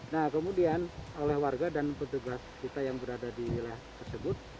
nah kemudian oleh warga dan petugas kita yang berada di wilayah tersebut